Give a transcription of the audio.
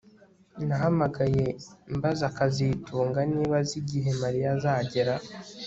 Nahamagaye mbaza kazitunga niba azi igihe Mariya azagera